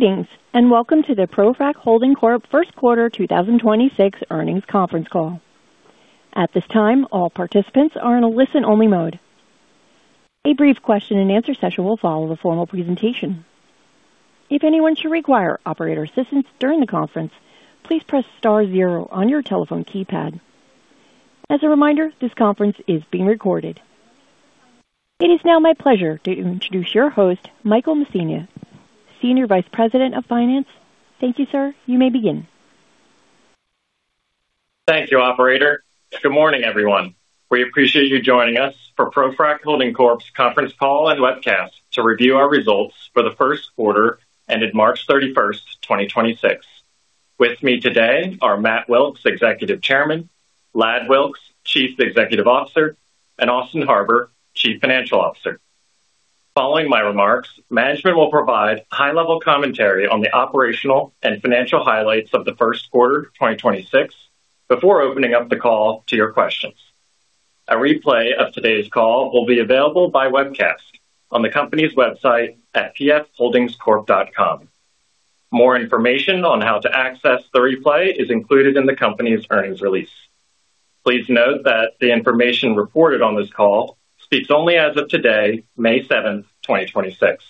Greetings, welcome to the ProFrac Holding Corp First Quarter 2026 earnings conference call. At this time all participants are in listen only mode .Q&A session will follow from our presentation if anyone requires operator's assistance during the conference please press star zero on your telephone keypad. As a reminder this conference is being recorded. It s now my pleasure to introduce your host, Michael Messina, Senior Vice President of Finance. Thank you, sir. You may begin. Thank you, operator. Good morning, everyone. We appreciate you joining us for ProFrac Holding Corp.'s conference call and webcast to review our results for the first quarter ended March 31st, 2026. With me today are Matt Wilks, Executive Chairman, Ladd Wilks, Chief Executive Officer, and Austin Harbour, Chief Financial Officer. Following my remarks, management will provide high-level commentary on the operational and financial highlights of the first quarter 2026 before opening up the call to your questions. A replay of today's call will be available by webcast on the company's website at pfholdingscorp.com. More information on how to access the replay is included in the company's earnings release. Please note that the information reported on this call speaks only as of today, May 7th, 2026.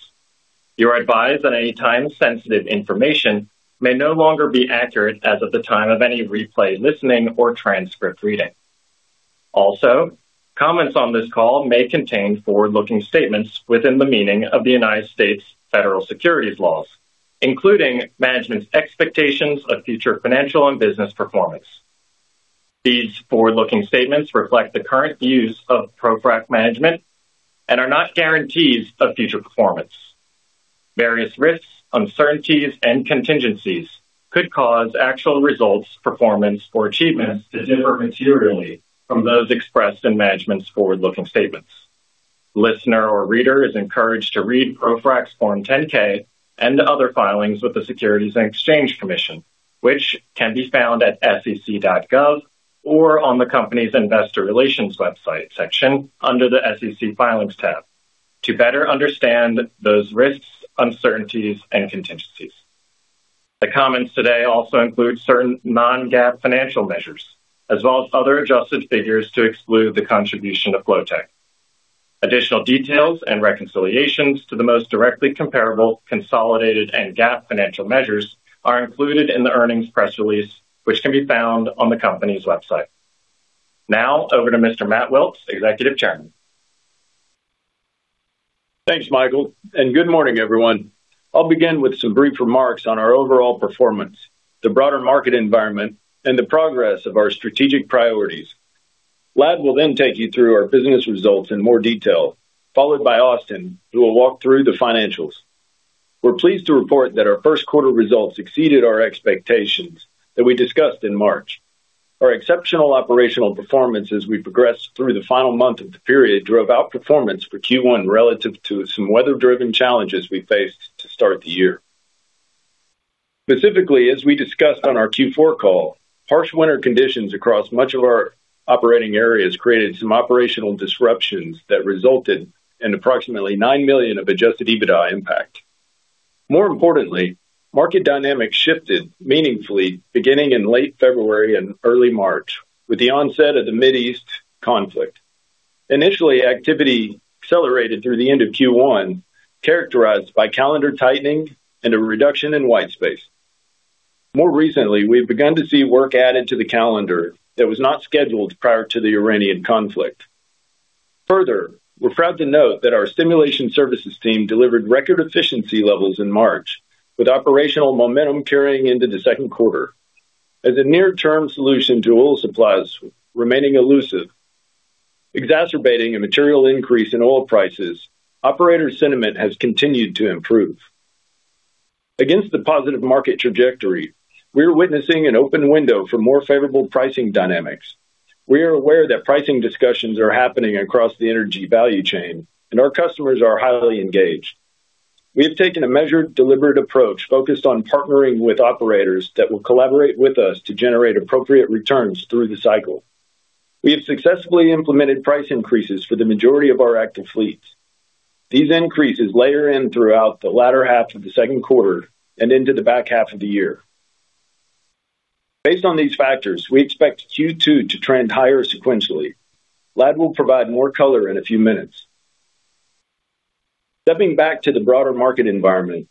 You're advised that any time-sensitive information may no longer be accurate as of the time of any replay, listening, or transcript reading. Also, comments on this call may contain forward-looking statements within the meaning of the United States Federal Securities laws, including management's expectations of future financial and business performance. These forward-looking statements reflect the current views of ProFrac management and are not guarantees of future performance. Various risks, uncertainties, and contingencies could cause actual results, performance, or achievements to differ materially from those expressed in management's forward-looking statements. Listener or reader is encouraged to read ProFrac's Form 10-K and other filings with the Securities and Exchange Commission, which can be found at sec.gov or on the company's investor relations website section under the SEC Filings tab to better understand those risks, uncertainties, and contingencies. The comments today also include certain non-GAAP financial measures as well as other adjusted figures to exclude the contribution of Flotek. Additional details and reconciliations to the most directly comparable consolidated and GAAP financial measures are included in the earnings press release, which can be found on the company's website. Now over to Mr. Matt Wilks, Executive Chairman. Thanks, Michael, and good morning, everyone. I'll begin with some brief remarks on our overall performance, the broader market environment, and the progress of our strategic priorities. Ladd will then take you through our business results in more detail, followed by Austin, who will walk through the financials. We're pleased to report that our first quarter results exceeded our expectations that we discussed in March. Our exceptional operational performance as we progressed through the final month of the period drove outperformance for Q1 relative to some weather-driven challenges we faced to start the year. Specifically, as we discussed on our Q4 call, harsh winter conditions across much of our operating areas created some operational disruptions that resulted in approximately $9 million of adjusted EBITDA impact. More importantly, market dynamics shifted meaningfully beginning in late February and early March with the onset of the Mideast conflict. Initially, activity accelerated through the end of Q1, characterized by calendar tightening and a reduction in white space. More recently, we've begun to see work added to the calendar that was not scheduled prior to the Iranian conflict. Further, we're proud to note that our stimulation services team delivered record efficiency levels in March, with operational momentum carrying into the second quarter. As a near-term solution to oil supplies remaining elusive, exacerbating a material increase in oil prices, operator sentiment has continued to improve. Against the positive market trajectory, we are witnessing an open window for more favorable pricing dynamics. We are aware that pricing discussions are happening across the energy value chain, and our customers are highly engaged. We have taken a measured, deliberate approach focused on partnering with operators that will collaborate with us to generate appropriate returns through the cycle. We have successfully implemented price increases for the majority of our active fleets. These increases layer in throughout the latter half of the second quarter and into the back half of the year. Based on these factors, we expect Q2 to trend higher sequentially. Ladd will provide more color in a few minutes. Stepping back to the broader market environment,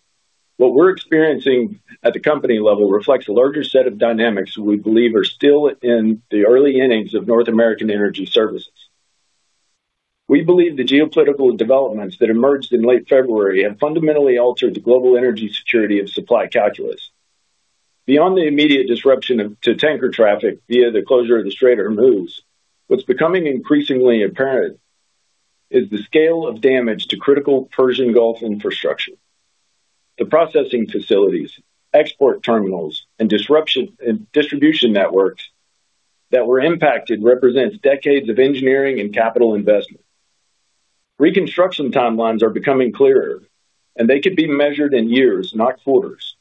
what we're experiencing at the company level reflects a larger set of dynamics that we believe are still in the early innings of North American energy services. We believe the geopolitical developments that emerged in late February have fundamentally altered the global energy security of supply calculus. Beyond the immediate disruption to tanker traffic via the closure of the Strait of Hormuz, what's becoming increasingly apparent is the scale of damage to critical Persian Gulf infrastructure. The processing facilities, export terminals, and distribution networks that were impacted represents decades of engineering and capital investment. Reconstruction timelines are becoming clearer, and they could be measured in years, not quarters.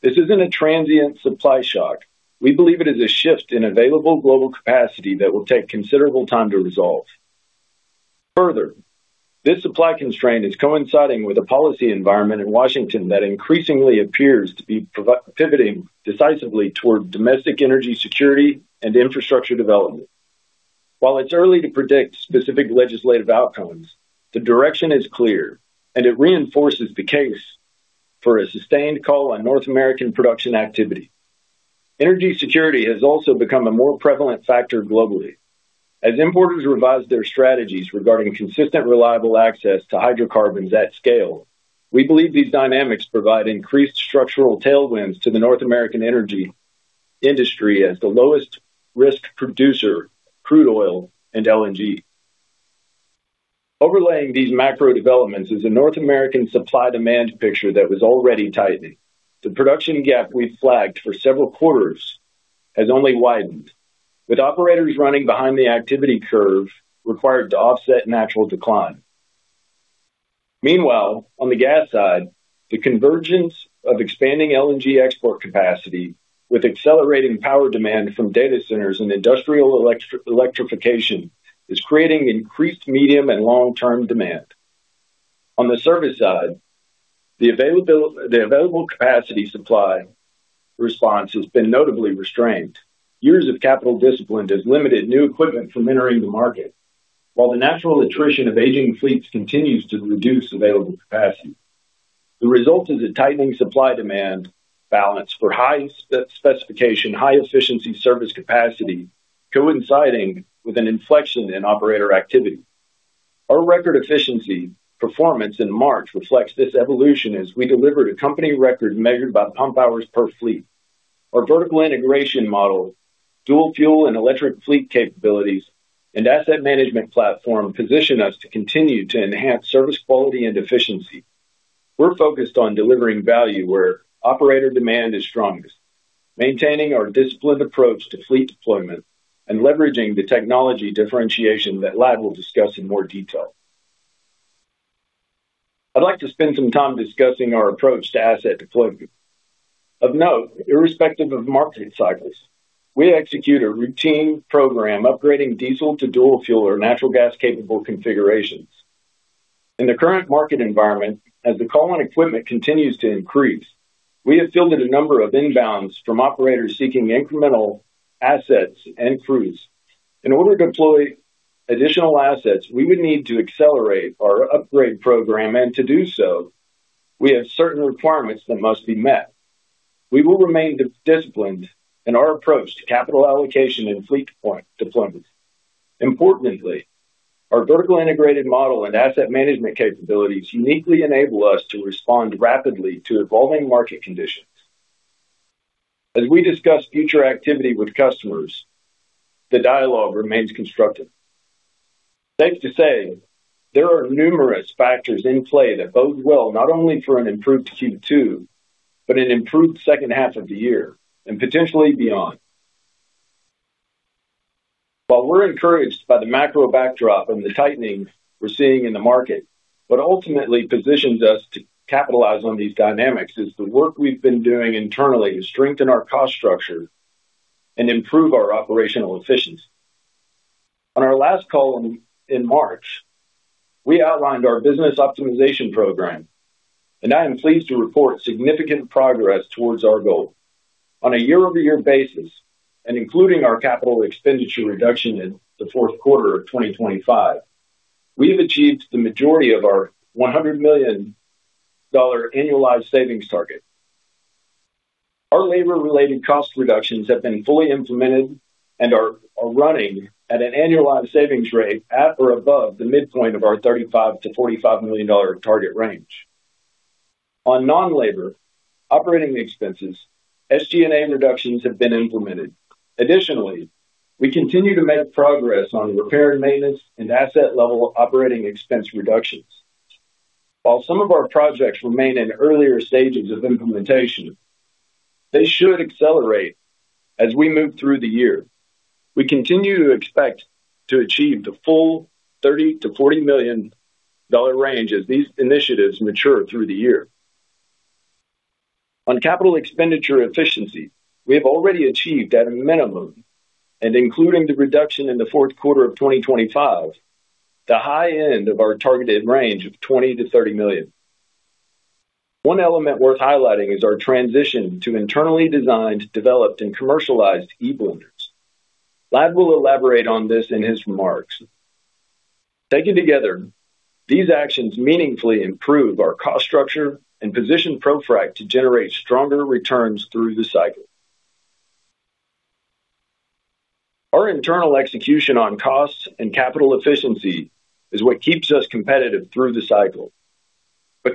This isn't a transient supply shock. We believe it is a shift in available global capacity that will take considerable time to resolve. Further, this supply constraint is coinciding with a policy environment in Washington that increasingly appears to be pivoting decisively toward domestic energy security and infrastructure development. While it's early to predict specific legislative outcomes, the direction is clear, and it reinforces the case for a sustained call on North American production activity. Energy security has also become a more prevalent factor globally. As importers revise their strategies regarding consistent reliable access to hydrocarbons at scale, we believe these dynamics provide increased structural tailwinds to the North American energy industry as the lowest risk producer, crude oil, and LNG. Overlaying these macro developments is a North American supply-demand picture that was already tightening. The production gap we've flagged for several quarters has only widened, with operators running behind the activity curve required to offset natural decline. Meanwhile, on the gas side, the convergence of expanding LNG export capacity with accelerating power demand from data centers and industrial electrification is creating increased medium and long-term demand. On the service side, the available capacity supply response has been notably restrained. Years of capital discipline has limited new equipment from entering the market, while the natural attrition of aging fleets continues to reduce available capacity. The result is a tightening supply-demand balance for high-specification, high-efficiency service capacity coinciding with an inflection in operator activity. Our record efficiency performance in March reflects this evolution as we delivered a company record measured by pump hours per fleet. Our vertical integration model, dual fuel and electric fleet capabilities, and asset management platform position us to continue to enhance service quality and efficiency. We're focused on delivering value where operator demand is strongest, maintaining our disciplined approach to fleet deployment and leveraging the technology differentiation that Ladd will discuss in more detail. I'd like to spend some time discussing our approach to asset deployment. Of note, irrespective of market cycles, we execute a routine program upgrading diesel to dual fuel or natural gas-capable configurations. In the current market environment, as the call on equipment continues to increase, we have fielded a number of inbounds from operators seeking incremental assets and crews. In order to deploy additional assets, we would need to accelerate our upgrade program, and to do so, we have certain requirements that must be met. We will remain disciplined in our approach to capital allocation and fleet deployment. Importantly, our vertical integrated model and asset management capabilities uniquely enable us to respond rapidly to evolving market conditions. As we discuss future activity with customers, the dialogue remains constructive. Safe to say, there are numerous factors in play that bode well, not only for an improved Q2, but an improved second half of the year, and potentially beyond. While we're encouraged by the macro backdrop and the tightening we're seeing in the market, what ultimately positions us to capitalize on these dynamics is the work we've been doing internally to strengthen our cost structure and improve our operational efficiency. On our last call in March, we outlined our Business Optimization Program, and I am pleased to report significant progress towards our goal. On a year-over-year basis, and including our CapEx reduction in Q4 2025, we have achieved the majority of our $100 million annualized savings target. Our labor-related cost reductions have been fully implemented and are running at an annualized savings rate at or above the midpoint of our $35-45 million target range. On non-labor operating expenses, SG&A reductions have been implemented. We continue to make progress on repair and maintenance and asset-level OpEx reductions. While some of our projects remain in earlier stages of implementation, they should accelerate as we move through the year. We continue to expect to achieve the full $30-40 million range as these initiatives mature through the year. On CapEx efficiency, we have already achieved at a minimum, and including the reduction in the fourth quarter of 2025, the high end of our targeted range of $20-30 million. One element worth highlighting is our transition to internally designed, developed, and commercialized eBlenders. Ladd will elaborate on this in his remarks. Taken together, these actions meaningfully improve our cost structure and position ProFrac to generate stronger returns through the cycle. Our internal execution on costs and capital efficiency is what keeps us competitive through the cycle.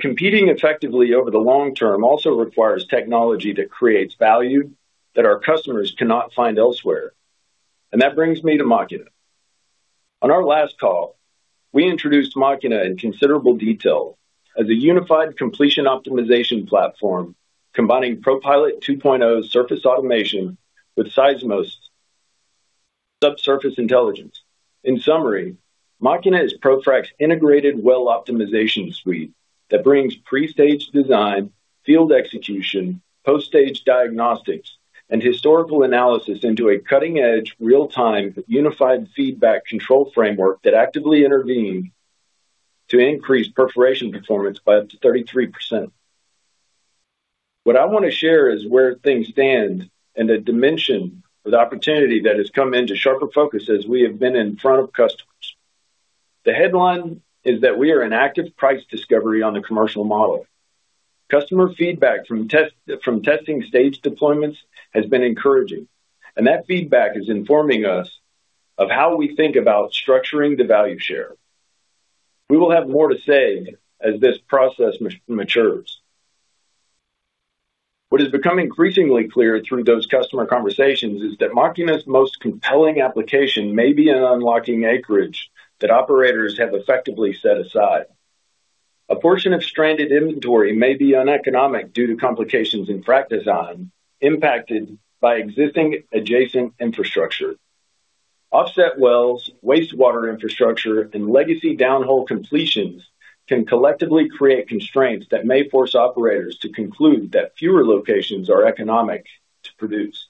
Competing effectively over the long term also requires technology that creates value that our customers cannot find elsewhere. That brings me to Machina. On our last call, we introduced Machina in considerable detail as a unified completion optimization platform combining ProPilot 2.0 surface automation with Seismos subsurface intelligence. In summary, Machina is ProFrac's integrated well optimization suite that brings pre-stage design, field execution, post-stage diagnostics, and historical analysis into a cutting-edge, real-time, unified feedback control framework that actively intervened to increase perforation performance by up to 33%. What I wanna share is where things stand and the dimension of the opportunity that has come into sharper focus as we have been in front of customers. The headline is that we are in active price discovery on the commercial model. Customer feedback from testing stage deployments has been encouraging. That feedback is informing us of how we think about structuring the value share. We will have more to say as this process matures. What has become increasingly clear through those customer conversations is that Machina's most compelling application may be in unlocking acreage that operators have effectively set aside. A portion of stranded inventory may be uneconomic due to complications in frac design impacted by existing adjacent infrastructure. Offset wells, wastewater infrastructure, and legacy downhole completions can collectively create constraints that may force operators to conclude that fewer locations are economic to produce.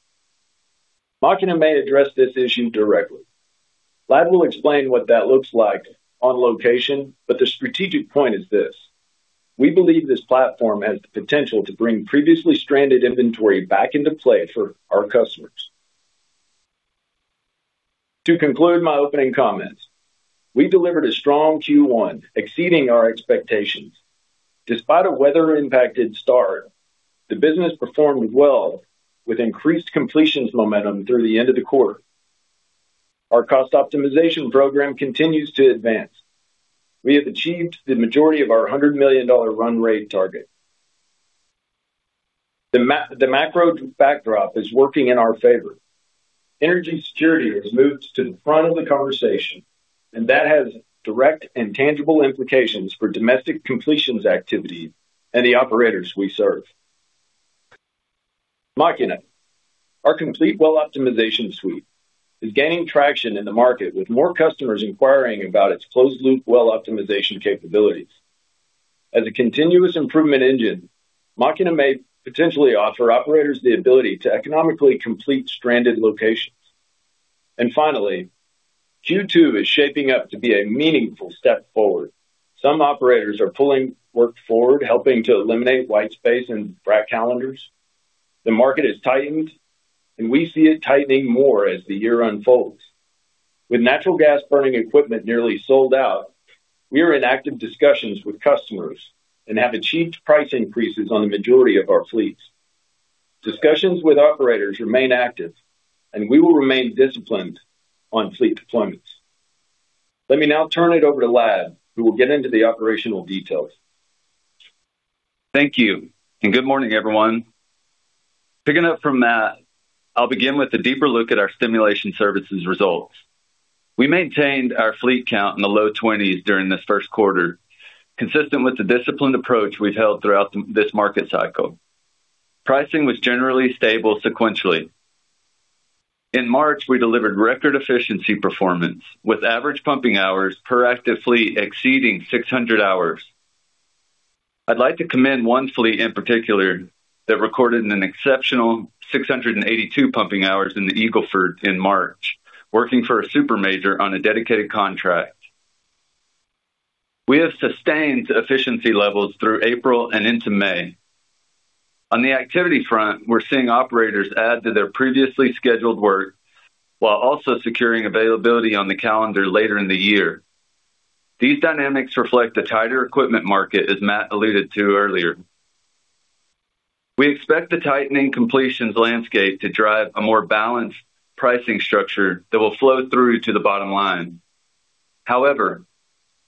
Machina may address this issue directly. Ladd will explain what that looks like on location. The strategic point is this. We believe this platform has the potential to bring previously stranded inventory back into play for our customers. To conclude my opening comments, we delivered a strong Q1, exceeding our expectations. Despite a weather-impacted start, the business performed well with increased completions momentum through the end of the quarter. Our cost optimization program continues to advance. We have achieved the majority of our $100 million run rate target. The macro backdrop is working in our favor. Energy security has moved to the front of the conversation. That has direct and tangible implications for domestic completions activity and the operators we serve. Machina, our complete well optimization suite, is gaining traction in the market with more customers inquiring about its closed loop well optimization capabilities. As a continuous improvement engine, Machina may potentially offer operators the ability to economically complete stranded locations. Finally, Q2 is shaping up to be a meaningful step forward. Some operators are pulling work forward, helping to eliminate white space and frac calendars. The market has tightened, and we see it tightening more as the year unfolds. With natural gas burning equipment nearly sold out, we are in active discussions with customers and have achieved price increases on the majority of our fleets. Discussions with operators remain active, and we will remain disciplined on fleet deployments. Let me now turn it over to Ladd, who will get into the operational details. Thank you, and good morning, everyone. Picking up from Matt, I'll begin with a deeper look at our stimulation services results. We maintained our fleet count in the low 20s during this 1st quarter, consistent with the disciplined approach we've held throughout this market cycle. Pricing was generally stable sequentially. In March, we delivered record efficiency performance, with average pumping hours per active fleet exceeding 600 hours. I'd like to commend one fleet in particular that recorded an exceptional 682 pumping hours in the Eagle Ford in March, working for a super major on a dedicated contract. We have sustained efficiency levels through April and into May. On the activity front, we're seeing operators add to their previously scheduled work while also securing availability on the calendar later in the year. These dynamics reflect the tighter equipment market, as Matt alluded to earlier. We expect the tightening completions landscape to drive a more balanced pricing structure that will flow through to the bottom line. However,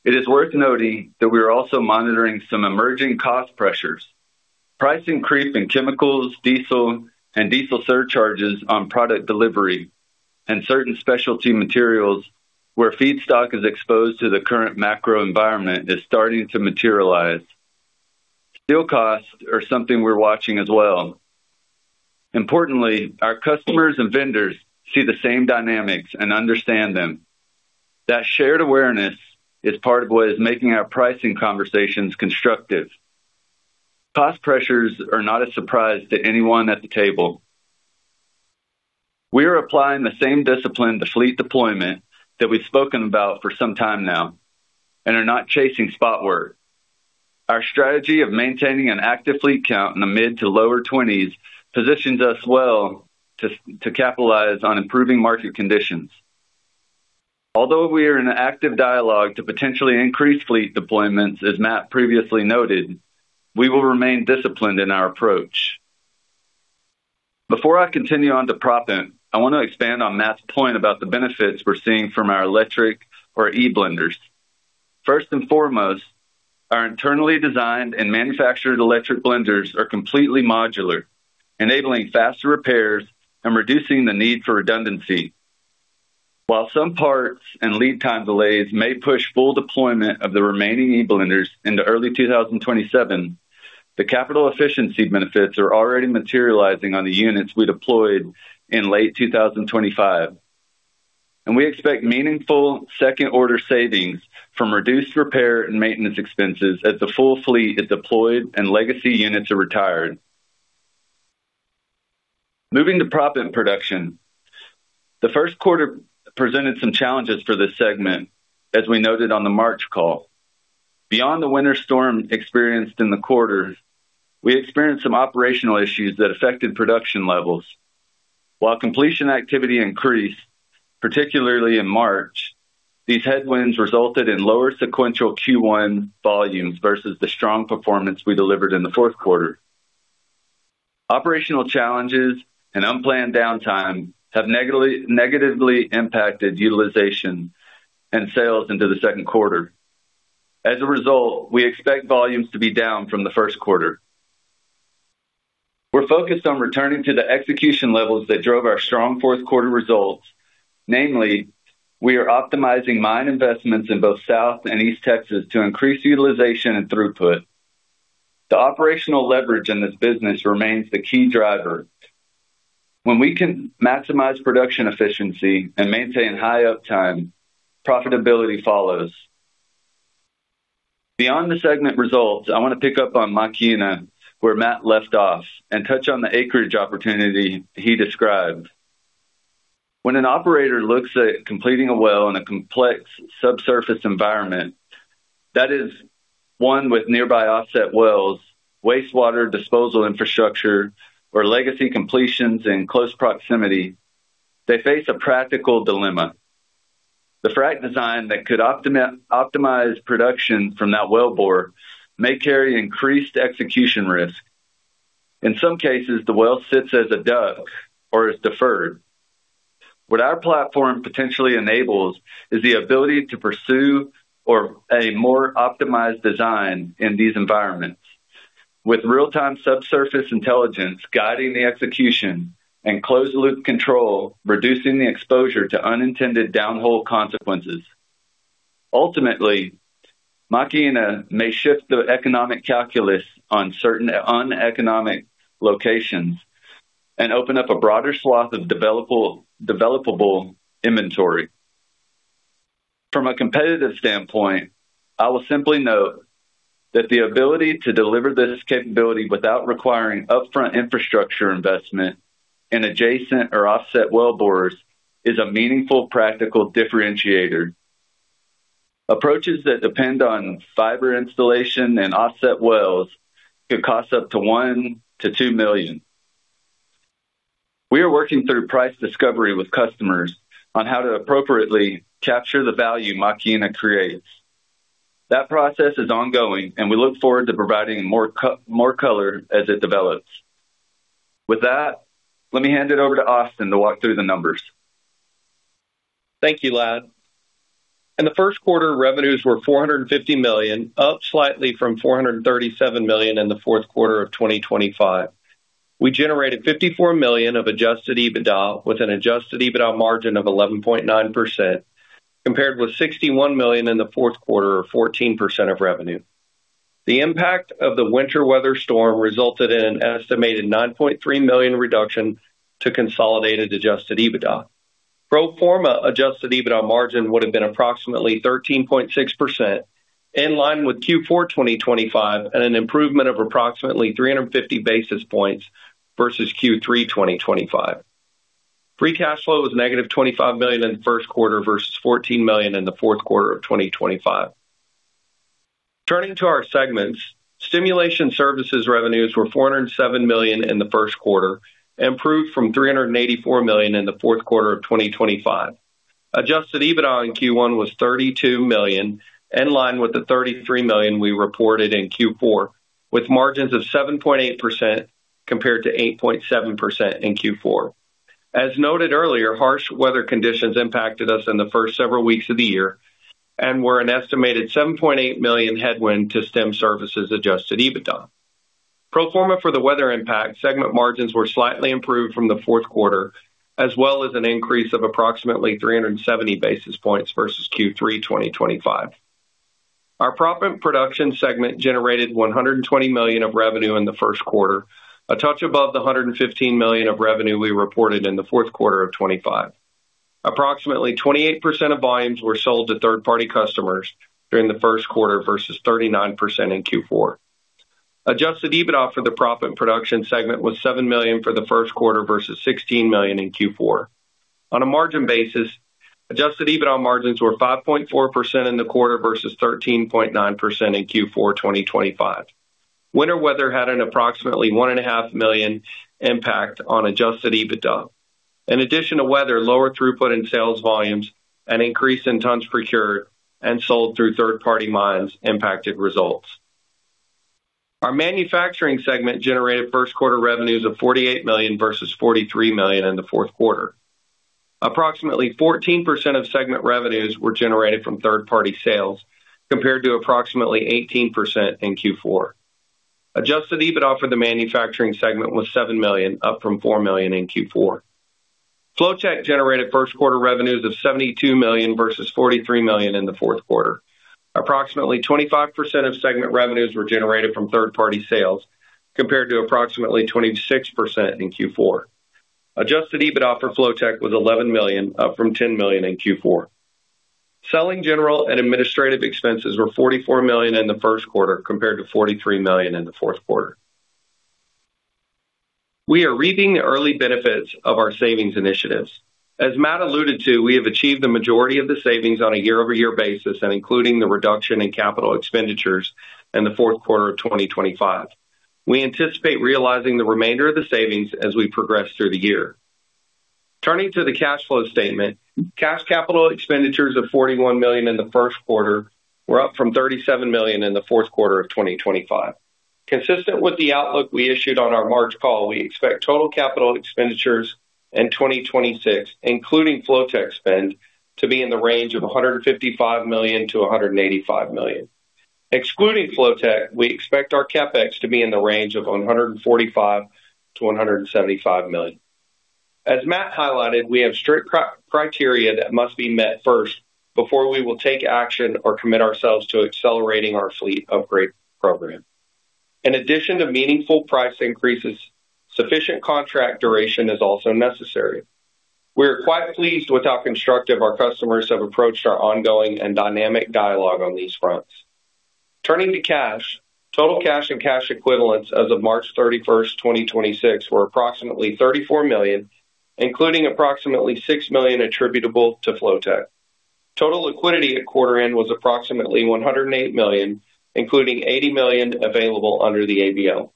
it is worth noting that we are also monitoring some emerging cost pressures. Pricing creep in chemicals, diesel, and diesel surcharges on product delivery and certain specialty materials where feedstock is exposed to the current macro environment is starting to materialize. Steel costs are something we're watching as well. Importantly, our customers and vendors see the same dynamics and understand them. That shared awareness is part of what is making our pricing conversations constructive. Cost pressures are not a surprise to anyone at the table. We are applying the same discipline to fleet deployment that we've spoken about for some time now and are not chasing spot work. Our strategy of maintaining an active fleet count in the mid to lower 20s positions us well to capitalize on improving market conditions. We are in active dialogue to potentially increase fleet deployments, as Matt previously noted, we will remain disciplined in our approach. Before I continue on to proppant, I wanna expand on Matt's point about the benefits we're seeing from our electric or eBlenders. First and foremost, our internally designed and manufactured electric blenders are completely modular, enabling faster repairs and reducing the need for redundancy. While some parts and lead time delays may push full deployment of the remaining eBlenders into early 2027, the capital efficiency benefits are already materializing on the units we deployed in late 2025. We expect meaningful second order savings from reduced repair and maintenance expenses as the full fleet is deployed and legacy units are retired. Moving to proppant production. The first quarter presented some challenges for this segment, as we noted on the March call. Beyond the winter storm experienced in the quarter, we experienced some operational issues that affected production levels. While completion activity increased, particularly in March, these headwinds resulted in lower sequential Q1 volumes versus the strong performance we delivered in the fourth quarter. Operational challenges and unplanned downtime have negatively impacted utilization and sales into the second quarter. As a result, we expect volumes to be down from the first quarter. We're focused on returning to the execution levels that drove our strong fourth quarter results. Namely, we are optimizing mine investments in both South and East Texas to increase utilization and throughput. The operational leverage in this business remains the key driver. When we can maximize production efficiency and maintain high uptime, profitability follows. Beyond the segment results, I wanna pick up on Machina where Matt left off and touch on the acreage opportunity he described. When an operator looks at completing a well in a complex subsurface environment, that is one with nearby offset wells, wastewater disposal infrastructure, or legacy completions in close proximity, they face a practical dilemma. The frac design that could optimize production from that wellbore may carry increased execution risk. In some cases, the well sits as a DUC or is deferred. What our platform potentially enables is the ability to pursue a more optimized design in these environments with real-time subsurface intelligence guiding the execution and closed loop control, reducing the exposure to unintended downhole consequences. Ultimately, Machina may shift the economic calculus on certain uneconomic locations and open up a broader swath of developable inventory. From a competitive standpoint, I will simply note that the ability to deliver this capability without requiring upfront infrastructure investment in adjacent or offset wellbores is a meaningful practical differentiator. Approaches that depend on fiber installation and offset wells could cost up to $1 -2 million. We are working through price discovery with customers on how to appropriately capture the value Machina creates. That process is ongoing, and we look forward to providing more color as it develops. With that, let me hand it over to Austin to walk through the numbers. Thank you, Ladd. In the first quarter, revenues were $450 million, up slightly from $437 million in the fourth quarter of 2025. We generated $54 million of adjusted EBITDA, with an adjusted EBITDA margin of 11.9%, compared with $61 million in the fourth quarter of 14% of revenue. The impact of the winter weather storm resulted in an estimated $9.3 million reduction to consolidated adjusted EBITDA. Pro forma adjusted EBITDA margin would have been approximately 13.6%, in line with Q4 2025 and an improvement of approximately 350 basis points versus Q3 2025. Free cash flow was $ -25 million in the first quarter versus $14 million in the fourth quarter of 2025. Turning to our segments, stimulation services revenues were $407 million in the first quarter, improved from $384 million in the fourth quarter of 2025. Adjusted EBITDA in Q1 was $32 million, in line with the $33 million we reported in Q4, with margins of 7.8% compared to 8.7% in Q4. As noted earlier, harsh weather conditions impacted us in the first several weeks of the year and were an estimated $7.8 million headwind to stim services adjusted EBITDA. Pro forma for the weather impact, segment margins were slightly improved from the fourth quarter, as well as an increase of approximately 370 basis points versus Q3 2025. Our proppant production segment generated $120 million of revenue in the first quarter, a touch above the $115 million of revenue we reported in the fourth quarter of 2025. Approximately 28% of volumes were sold to third-party customers during the first quarter versus 39% in Q4. Adjusted EBITDA for the proppant production segment was $7 million for the first quarter versus $16 million in Q4. On a margin basis, adjusted EBITDA margins were 5.4% in the quarter versus 13.9% in Q4 2025. Winter weather had an approximately one and a half million impact on adjusted EBITDA. In addition to weather, lower throughput in sales volumes, an increase in tons procured and sold through third-party mines impacted results. Our manufacturing segment generated first quarter revenues of $48 million versus $43 million in the fourth quarter. Approximately 14% of segment revenues were generated from third-party sales, compared to approximately 18% in Q4. Adjusted EBITDA for the manufacturing segment was $7 million, up from $4 million in Q4. Flotek generated first quarter revenues of $72 million versus $43 million in the fourth quarter. Approximately 25% of segment revenues were generated from third-party sales compared to approximately 26% in Q4. Adjusted EBITDA for Flotek was $11 million, up from $10 million in Q4. Selling general and administrative expenses were $44 million in the first quarter compared to $43 million in the fourth quarter. We are reaping the early benefits of our savings initiatives. As Matt alluded to, we have achieved the majority of the savings on a year-over-year basis and including the reduction in capital expenditures in the fourth quarter of 2025. We anticipate realizing the remainder of the savings as we progress through the year. Turning to the cash flow statement. Cash capital expenditures of $41 million in the first quarter were up from $37 million in the fourth quarter of 2025. Consistent with the outlook we issued on our March call, we expect total capital expenditures in 2026, including Flotek, to be in the range of $155 -185 million. Excluding Flotek, we expect our CapEx to be in the range of $145 -175 million. As Matt highlighted, we have strict criteria that must be met first before we will take action or commit ourselves to accelerating our fleet upgrade program. In addition to meaningful price increases, sufficient contract duration is also necessary. We are quite pleased with how constructive our customers have approached our ongoing and dynamic dialogue on these fronts. Turning to cash. Total cash and cash equivalents as of March 31st, 2026 were approximately $34 million, including approximately $6 million attributable to Flotek. Total liquidity at quarter end was approximately $108 million, including $80 million available under the ABL.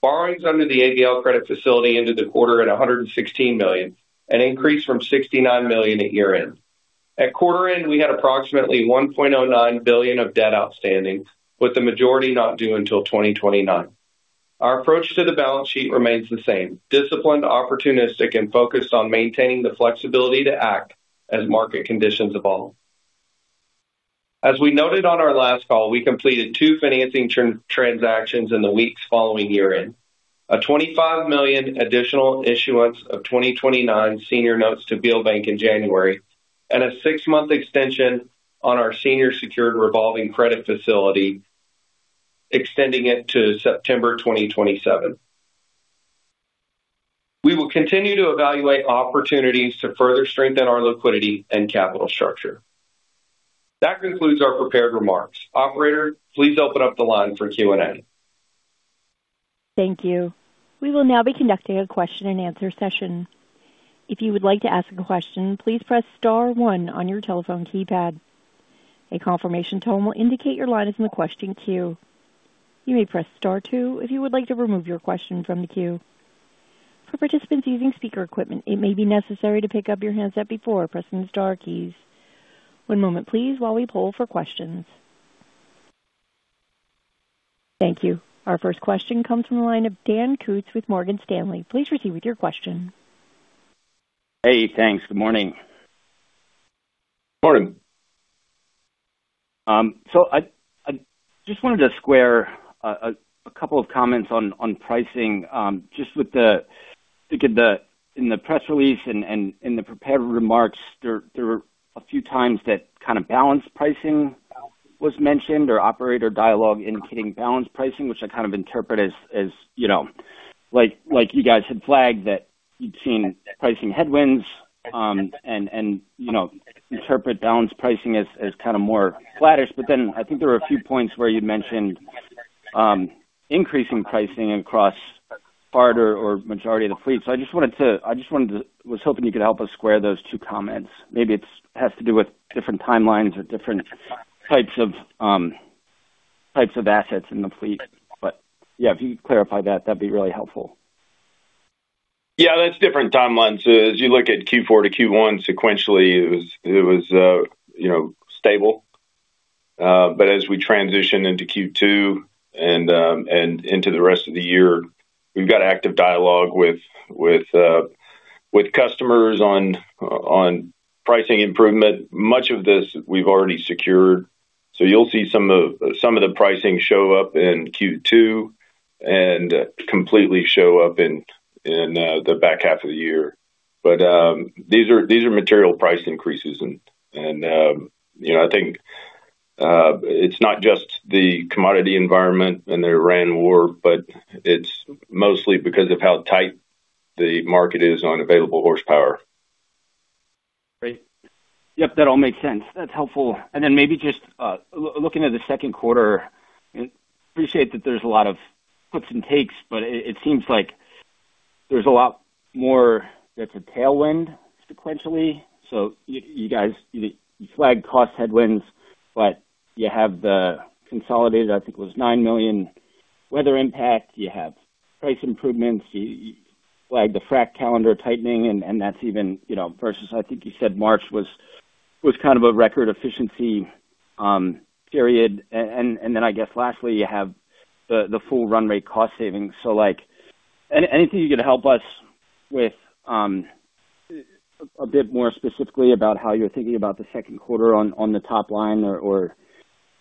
Borrowings under the ABL credit facility ended the quarter at $116 million, an increase from $69 million at year-end. At quarter end, we had approximately $1.09 billion of debt outstanding, with the majority not due until 2029. Our approach to the balance sheet remains the same: disciplined, opportunistic, and focused on maintaining the flexibility to act as market conditions evolve. As we noted on our last call, we completed two financing transactions in the weeks following year-end. A $25 million additional issuance of 2029 senior notes to Beal Bank in January and a six-month extension on our senior secured revolving credit facility extending it to September 2027. We will continue to evaluate opportunities to further strengthen our liquidity and capital structure. That concludes our prepared remarks. Operator, please open up the line for Q&A. Thank you. We will now be conducting a question-and-answer session. If you would like to ask a question, please press star one on your telephone keypad. A confirmation tone will indicate your line is in the question queue. You may press star two if you would like to remove your question from the queue. For participants using speaker equipment, it may be necessary to pick up your handset before pressing the star keys. One moment please while we poll for questions. Thank you. Our first question comes from the line of Daniel Kutz with Morgan Stanley. Please proceed with your question. Hey, thanks. Good morning. Morning. I just wanted to square a couple of comments on pricing, just looking at the press release and in the prepared remarks, there were a few times that kind of balanced pricing was mentioned or operator dialogue indicating balanced pricing, which I kind of interpret as, you know, like you guys had flagged that you'd seen pricing headwinds, and, you know, interpret balanced pricing as kind of more flattish. I think there were a few points where you'd mentioned increasing pricing across part or majority of the fleet. I was hoping you could help us square those two comments. Maybe it has to do with different timelines or different types of assets in the fleet. Yeah, if you could clarify that’d be really helpful. Yeah, that's different timelines. As you look at Q4 to Q1 sequentially, it was, you know, stable. As we transition into Q2 and into the rest of the year, we've got active dialogue with customers on pricing improvement. Much of this we've already secured, so you'll see some of the pricing show up in Q2 and completely show up in the back half of the year. These are material price increases and, you know, I think it's not just the commodity environment and the Iran war, but it's mostly because of how tight the market is on available horsepower. Great. Yep, that all makes sense. That's helpful. Maybe just looking at the second quarter, appreciate that there's a lot of puts and takes, but it seems like there's a lot more that's a tailwind sequentially. You guys flagged cost headwinds, but you have the consolidated, I think it was $9 million weather impact. You have price improvements. You flagged the frac calendar tightening, and that's even, you know, versus I think you said March was kind of a record efficiency period. Then I guess lastly, you have the full run rate cost savings. Like, anything you could help us with a bit more specifically about how you're thinking about the second quarter on the top line or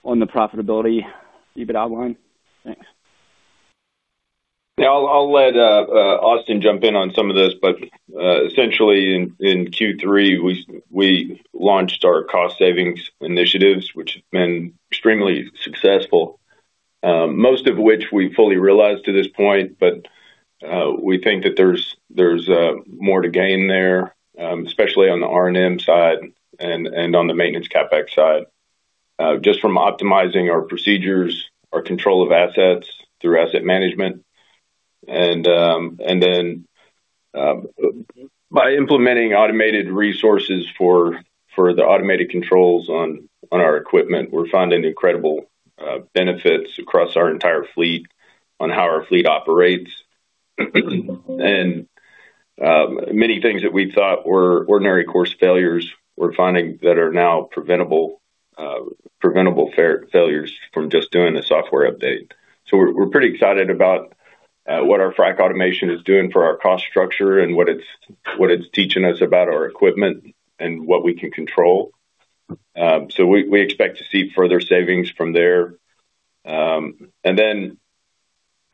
on the profitability EBITDA line? Thanks. Yeah, I'll let Austin jump in on some of this, essentially, in Q3, we launched our cost savings initiatives, which have been extremely successful. Most of which we fully realized to this point. We think that there's more to gain there, especially on the R&M side and on the maintenance CapEx side. Just from optimizing our procedures, our control of assets through asset management. By implementing automated resources for the automated controls on our equipment, we're finding incredible benefits across our entire fleet on how our fleet operates. Many things that we thought were ordinary course failures, we're finding that are now preventable failures from just doing a software update. We're pretty excited about what our frac automation is doing for our cost structure and what it's teaching us about our equipment and what we can control. We expect to see further savings from there.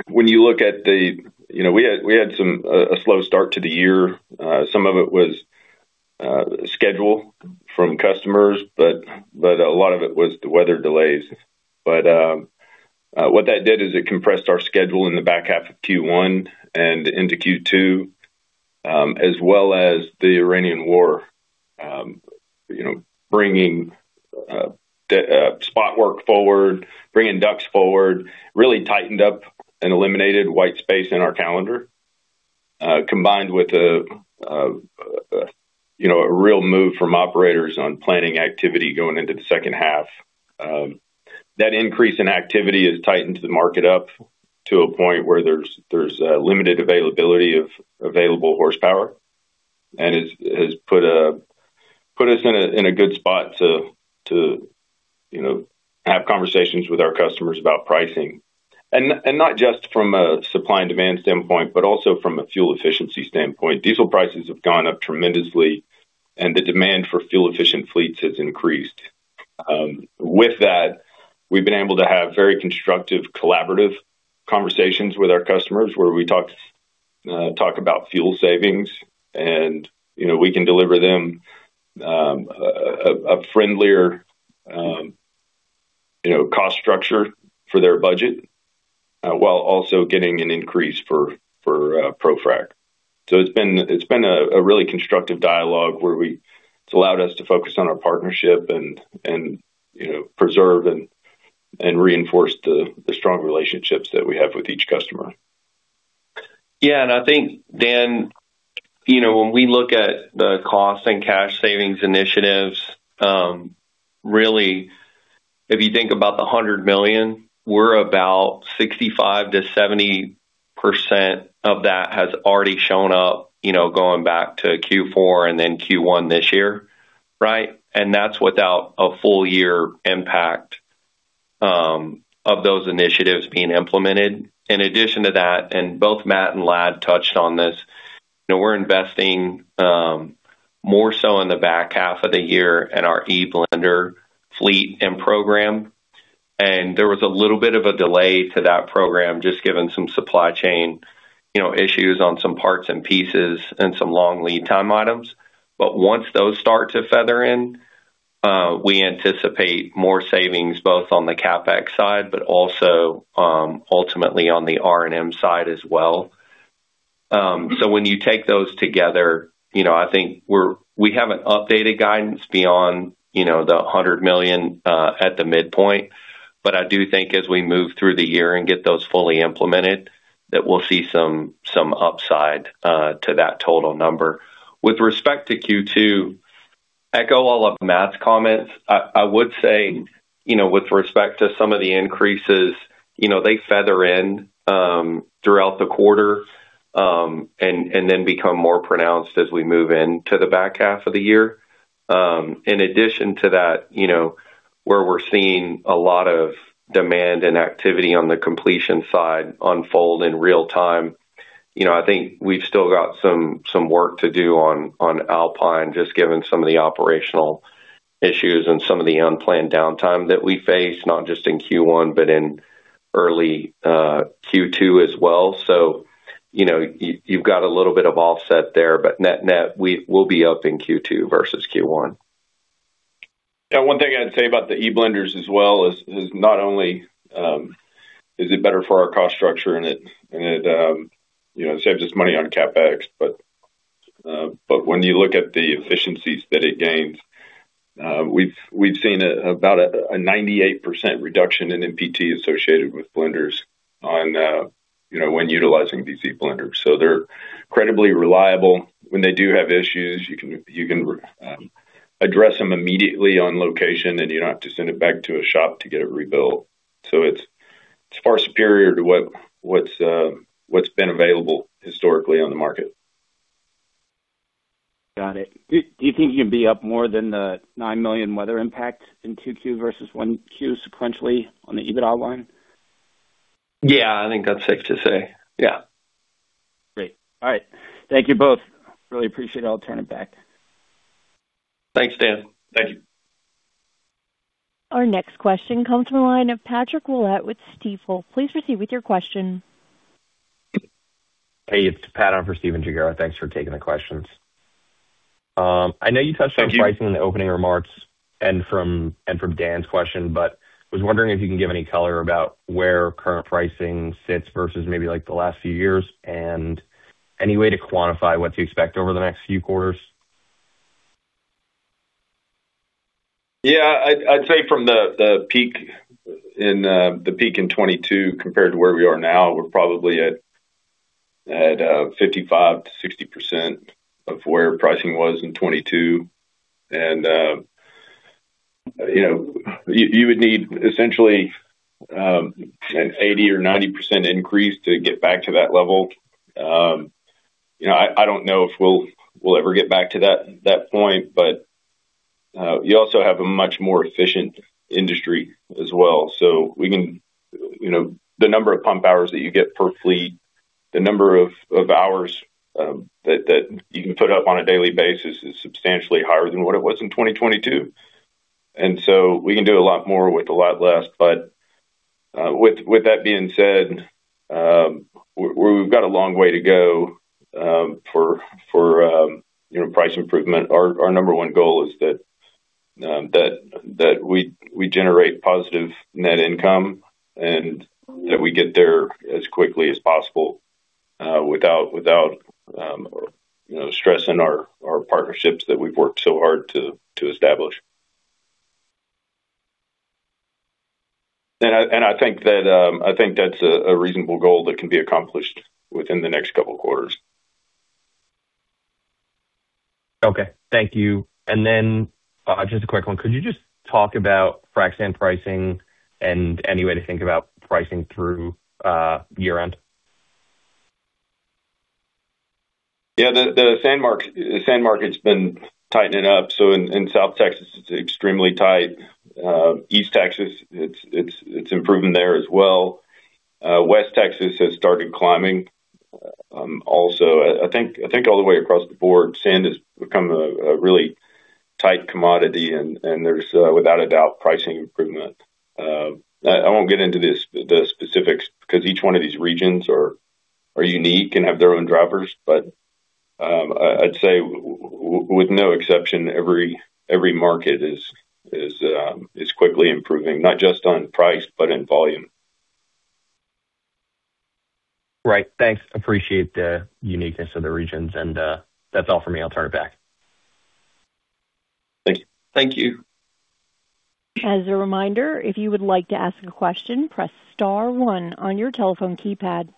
When you look at the, you know, we had some a slow start to the year. Some of it was schedule from customers, but a lot of it was the weather delays. What that did is it compressed our schedule in the back half of Q1 and into Q2, as well as the Iranian war, you know, bringing spot work forward, bringing DUCs forward, really tightened up and eliminated white space in our calendar. Combined with a, you know, a real move from operators on planning activity going into the second half. That increase in activity has tightened the market up to a point where there's limited availability of available horsepower. It's has put us in a good spot to, you know, have conversations with our customers about pricing. Not just from a supply and demand standpoint, but also from a fuel efficiency standpoint. diesel prices have gone up tremendously, and the demand for fuel efficient fleets has increased. With that, we've been able to have very constructive, collaborative conversations with our customers where we talk about fuel savings and, you know, we can deliver them a friendlier, you know, cost structure for their budget while also getting an increase for ProFrac. It's been a really constructive dialogue where it's allowed us to focus on our partnership and, you know, preserve and reinforce the strong relationships that we have with each customer. Yeah. I think, Dan, you know, when we look at the cost and cash savings initiatives, really, if you think about the $100 million, we're about 65%-70% of that has already shown up, you know, going back to Q4 and then Q1 this year, right? That's without a full year impact of those initiatives being implemented. In addition to that, both Matt Wilks and Ladd Wilks touched on this, you know, we're investing more so in the back half of the year in our eBlenders fleet and program. There was a little bit of a delay to that program, just given some supply chain, you know, issues on some parts and pieces and some long lead time items. Once those start to feather in, we anticipate more savings both on the CapEx side, but also ultimately on the R&M side as well. When you take those together, you know, I think we haven't updated guidance beyond, you know, the $100 million at the midpoint. I do think as we move through the year and get those fully implemented, that we'll see some upside to that total number. With respect to Q2, echo all of Matt Wilks's comments. I would say, you know, with respect to some of the increases, you know, they feather in throughout the quarter and then become more pronounced as we move into the back half of the year. In addition to that, you know, where we're seeing a lot of demand and activity on the completion side unfold in real time, you know, I think we've still got some work to do on Alpine, just given some of the operational issues and some of the unplanned downtime that we face, not just in Q1, but in early Q2 as well. You know, you've got a little bit of offset there, but net-net, we will be up in Q2 versus Q1. Yeah. One thing I'd say about the eBlenders as well is not only is it better for our cost structure and it, you know, saves us money on CapEx, but when you look at the efficiencies that it gains, we've seen about a 98% reduction in NPT associated with blenders on, you know, when utilizing these eBlenders. They're credibly reliable. When they do have issues, you can address them immediately on location, and you don't have to send it back to a shop to get it rebuilt. It's far superior to what's been available historically on the market. Got it. Do you think you'd be up more than the $9 million weather impact in Q2 versus Q1 sequentially on the EBITDA line? Yeah, I think that's safe to say. Yeah. Great. All right. Thank you both. Really appreciate it. I'll turn it back. Thanks, Dan. Thank you. Our next question comes from the line of Patrick Willett with Stifel. Please proceed with your question. Hey, it's Patrick Willett on for Stephen Gengaro. Thanks for taking the questions. I know you touched on pricing in the opening remarks and from Dan's question, I was wondering if you can give any color about where current pricing sits versus maybe like the last few years, and any way to quantify what to expect over the next few quarters. Yeah, I'd say from the peak in 2022 compared to where we are now, we're probably at 55% to 60% of where pricing was in 2022. You know, you would need essentially an 80% or 90% increase to get back to that level. You know, I don't know if we'll ever get back to that point, but you also have a much more efficient industry as well. You know, the number of pump hours that you get per fleet, the number of hours that you can put up on a daily basis is substantially higher than what it was in 2022. We can do a lot more with a lot less. With that being said, we've got a long way to go for, you know, price improvement. Our number one goal is that we generate positive net income and that we get there as quickly as possible without, you know, stressing our partnerships that we've worked so hard to establish. I think that's a reasonable goal that can be accomplished within the next couple quarters. Okay. Thank you. Just a quick one. Could you just talk about frac sand pricing and any way to think about pricing through year-end? Yeah. The sand market's been tightening up. In South Texas, it's extremely tight. East Texas, it's improving there as well. West Texas has started climbing, also. I think all the way across the board, sand has become a really tight commodity and there's without a doubt pricing improvement. I won't get into this, the specifics because each one of these regions are unique and have their own drivers. I'd say with no exception, every market is quickly improving, not just on price, but in volume. Right. Thanks. Appreciate the uniqueness of the regions. That's all for me. I'll turn it back. Thank you. As a reminder, if you would like to ask a question, press star one on your telephone keypad.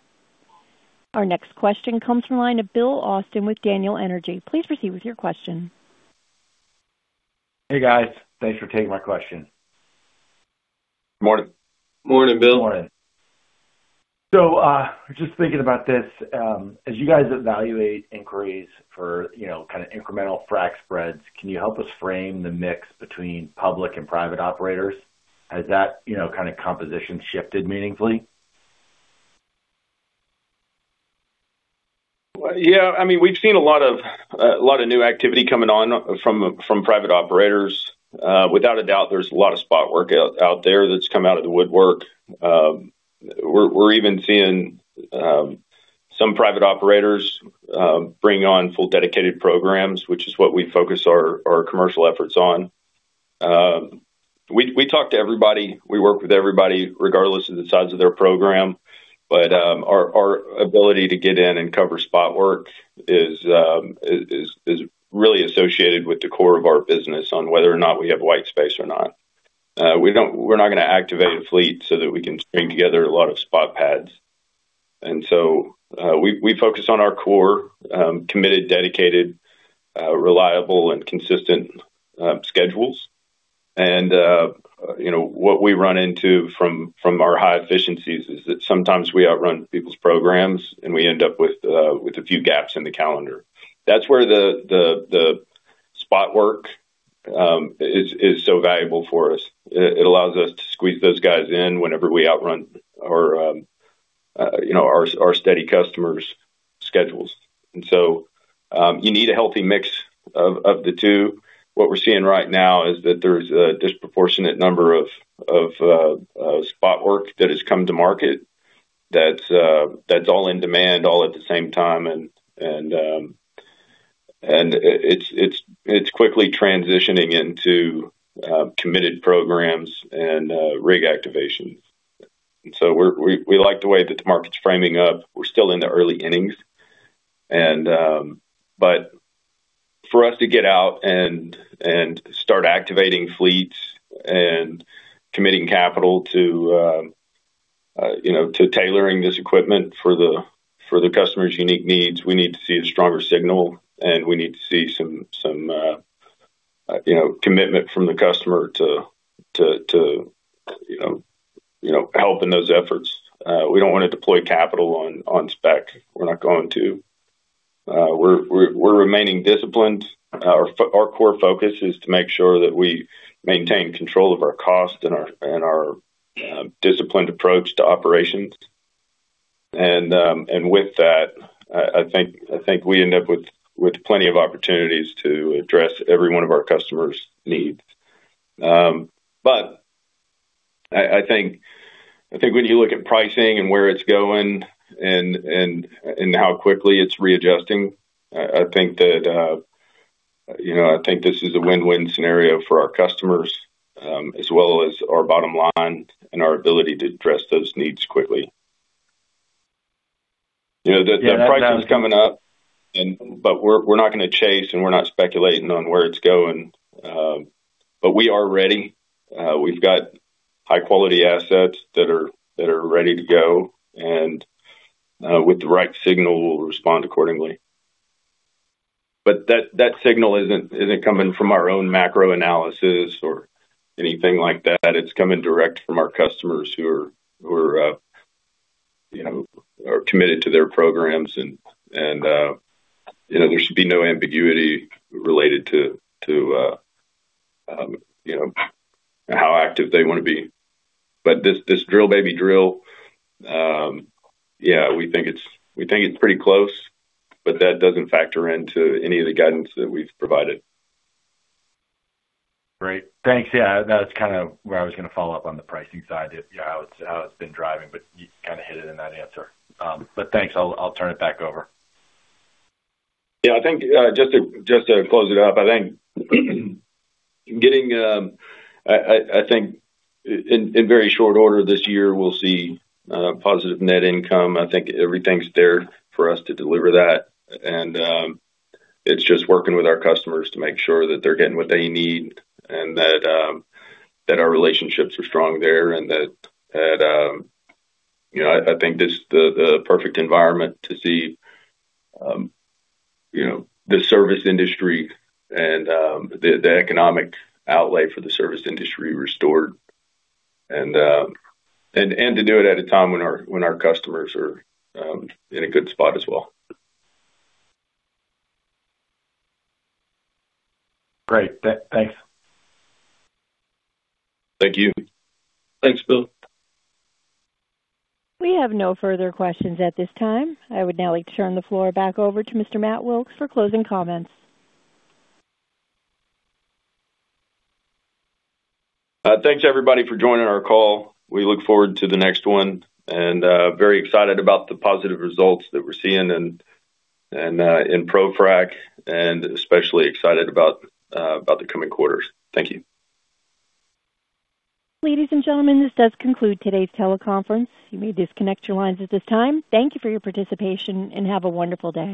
Our next question comes from the line of Bill Austin with Daniel Energy. Please proceed with your question. Hey, guys. Thanks for taking my question. Morning. Morning, Bill. Morning. Just thinking about this, as you guys evaluate inquiries for, you know, kind of incremental frac spreads, can you help us frame the mix between public and private operators? Has that, you know, kind of composition shifted meaningfully? I mean, we've seen a lot of new activity coming on from private operators. Without a doubt, there's a lot of spot work out there that's come out of the woodwork. We're even seeing some private operators bring on full dedicated programs, which is what we focus our commercial efforts on. We talk to everybody. We work with everybody regardless of the size of their program. Our ability to get in and cover spot work is really associated with the core of our business on whether or not we have white space or not. We're not gonna activate a fleet so that we can string together a lot of spot pads. We focus on our core, committed, dedicated, reliable and consistent schedules. You know, what we run into from our high efficiencies is that sometimes we outrun people's programs, and we end up with a few gaps in the calendar. That's where the spot work is so valuable for us. It allows us to squeeze those guys in whenever we outrun our, you know, our steady customers' schedules. You need a healthy mix of the two. What we're seeing right now is that there's a disproportionate number of spot work that has come to market that's all in demand all at the same time. It's quickly transitioning into committed programs and rig activation. We like the way that the market's framing up. We're still in the early innings and for us to get out and start activating fleets and committing capital to, you know, to tailoring this equipment for the, for the customer's unique needs, we need to see a stronger signal, and we need to see some, you know, commitment from the customer to, you know, you know, help in those efforts. We don't wanna deploy capital on spec. We're not going to. We're remaining disciplined. Our core focus is to make sure that we maintain control of our cost and our disciplined approach to operations. With that, I think, I think we end up with plenty of opportunities to address every one of our customers' needs. I think, I think when you look at pricing and where it's going and how quickly it's readjusting, I think that, you know, I think this is a win-win scenario for our customers, as well as our bottom line and our ability to address those needs quickly. You know, the pricing's coming up. We're not gonna chase, and we're not speculating on where it's going. We are ready. We've got high quality assets that are ready to go. With the right signal, we'll respond accordingly. That signal isn't coming from our own macro analysis or anything like that. It's coming direct from our customers who are, you know, are committed to their programs and, you know, there should be no ambiguity related to, you know, how active they wanna be. This drill, baby drill, we think it's pretty close, but that doesn't factor into any of the guidance that we've provided. Great. Thanks. Yeah, that's kinda where I was gonna follow up on the pricing side, you know, how it's been driving, but you kinda hit it in that answer. Thanks. I'll turn it back over. I think, just to close it out, I think in very short order this year, we'll see positive net income. I think everything's there for us to deliver that. It's just working with our customers to make sure that they're getting what they need and that our relationships are strong there and that, you know, I think this is the perfect environment to see, you know, the service industry and the economic outlay for the service industry restored and to do it at a time when our customers are in a good spot as well. Great. Thanks. Thank you. Thanks, Bill. We have no further questions at this time. I would now like to turn the floor back over to Mr. Matt Wilks for closing comments. Thanks everybody for joining our call. We look forward to the next one, and very excited about the positive results that we're seeing and in ProFrac and especially excited about the coming quarters. Thank you. Ladies and gentlemen, this does conclude today's teleconference. You may disconnect your lines at this time. Thank you for your participation, and have a wonderful day.